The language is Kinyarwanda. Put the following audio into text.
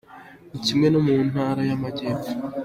Ni kimwe no mu ntara y’Amajyepfo”.